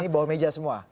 ini bawah meja semua